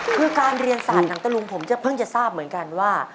คือการเรียนศาสตร์หนังตะลุงผมจะเพิ่งจะทราบเหมือนกันว่า